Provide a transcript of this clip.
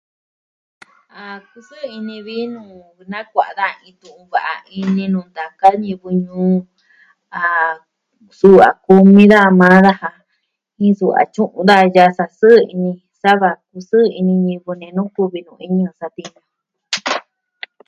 A kusɨɨ ini vi nuu nakua'a daja iin tu'un va'a ini nuu ntaka ñivɨ ñuu. A suu a kumi daja maa daja jin suu a tyu'un daja yaa sa'a sɨɨ sava kusɨɨ ini ñɨvɨ nenu kuvi nuu iñɨ jɨn satiñu jun.